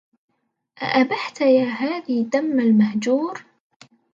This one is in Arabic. أأبحت يا هذي دم المهجور